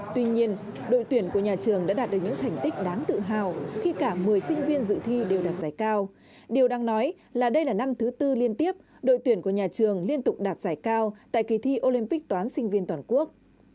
tuy nhiên đội tuyển của nhà trường đã đạt được những thành tích đáng tự hào khi cả một mươi sinh viên dự thi đều đạt giải cao điều đang nói là đây là năm thứ tư liên tiếp đội tuyển của nhà trường liên tục đạt giải cao tại kỳ thi olympic toán sinh viên toàn quốc